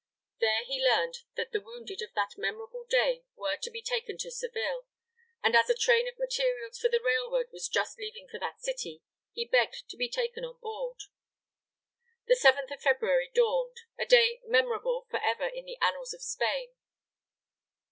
There he learned that the wounded of that memorable day were to be taken to Seville, and as a train of materials for the railroad was just leaving for that city, he begged to be taken on board. The 7th of February dawned a day memorable for ever in the annals of Spain.